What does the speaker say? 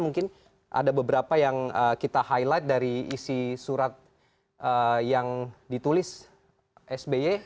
mungkin ada beberapa yang kita highlight dari isi surat yang ditulis sby